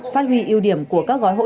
phát huy ưu điểm của các gói hội